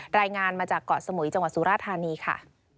รายงานมาจากเกาะสมุยจังหวัดสุราธานีค่ะ